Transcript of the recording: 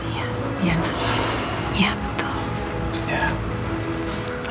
iya iyan iya betul